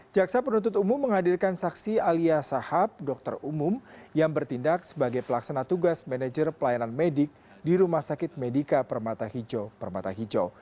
jaksa penuntut umum menghadirkan saksi alias sahab dokter umum yang bertindak sebagai pelaksana tugas manajer pelayanan medik di rumah sakit medika permata hijau permata hijau